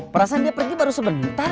perasaan dia pergi baru sebentar